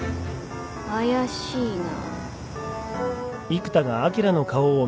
怪しいな。